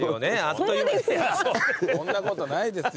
そんなことないですよ。